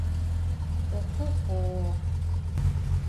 — Охо-хо!